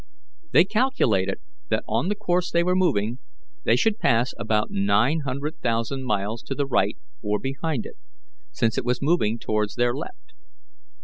They calculated that on the course they were moving they should pass about nine hundred thousand miles to the right or behind it, since it was moving towards their left.